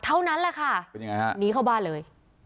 เท่านั้นแหละค่ะหนีเข้าบ้านเลย